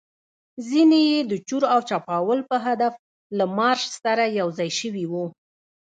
ځینې يې د چور او چپاول په هدف له مارش سره یوځای شوي وو.